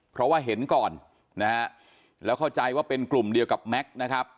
เพราะว่าเห็นก่อนนะฮะแล้วเข้าใจว่าเป็นกลุ่มเดียวกับแม็กซ์นะครับ